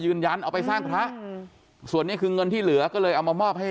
เอาไปสร้างพระส่วนนี้คือเงินที่เหลือก็เลยเอามามอบให้